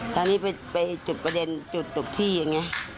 ตอนนี้ไปจุดประเด็นจุดจบที่อย่างนี้